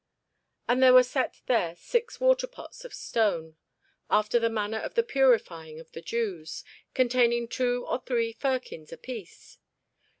And there were set there six waterpots of stone, after the manner of the purifying of the Jews, containing two or three firkins apiece.